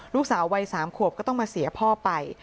ลูกสาววัย๓ขวบก็ต้องมาเสียพ่อไป